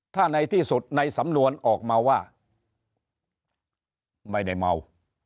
ถ้าในที่สุดในสำนวนออกมาว่าไม่ได้เมา